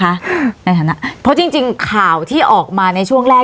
คุณฝนนะคะเพราะจริงข่าวที่ออกมาในช่วงแรก